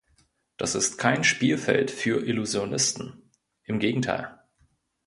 Das ist kein Spielfeld für Illusionisten, im Gegenteil.